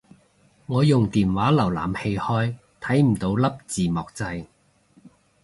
我用電話瀏覽器開睇唔到粒字幕掣